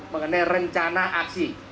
mengenai rencana aksi